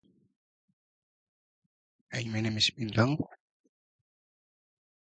The parish of Charlton Musgrove was part of the Norton Ferris Hundred.